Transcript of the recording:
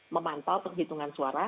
memantau penghitungan suara